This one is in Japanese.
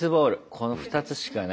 この２つしかないっすよ